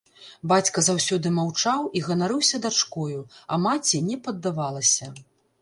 Бацька заўсёды маўчаў і ганарыўся дачкою, а маці не паддавалася.